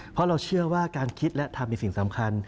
เพราะเราเชื่อว่าการคิดและทำเป็นสิ่งสำคัญ